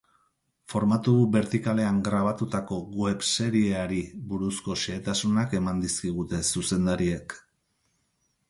Formatu bertikalean grabatutako webseriari buruzko xehetasunak eman dizkigute zuzendariek.